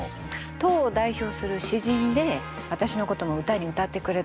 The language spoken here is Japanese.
唐を代表する詩人で私のことも詩に歌ってくれたの。